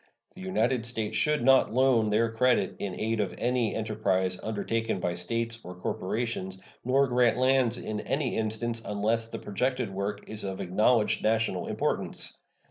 The United States should not loan their credit in aid of any enterprise undertaken by States or corporations, nor grant lands in any instance, unless the projected work is of acknowledged national importance.